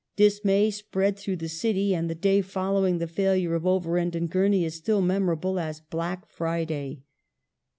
Dismay spread through the City, and the day following the failure of Overend & Gurney is still memorable as " Black Friday